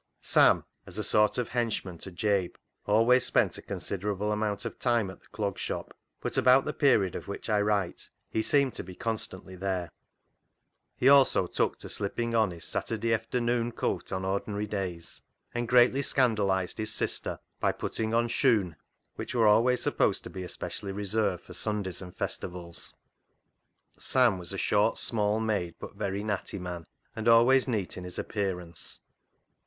Sam, as a sort of henchman to Jabe, always spent a considerable amount of time at the Clog Shop, but about the period of which I write he seemed to be constantly there. He also took to slipping on his " Saturday efter noon " coat on ordinary days, and greatly scandalised his sister by putting on " shoon " which were always supposed to be especially reserved for Sundays and festivals. "HANGING HIS HAT UP" 65 Sam was a short, small made, but very " natty " man, and always neat in his appear ance.